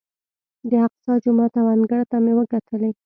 د اقصی جومات او انګړ ته مې وکتلې.